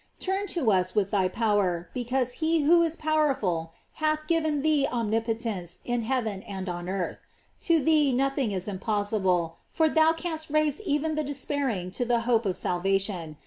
Turn to us with thy power, because he who is powerful hath given thee omnipotence in heaven and on earth. To thee nothing is im possible, for thou canst raise even the despair ing to the hope of salvation.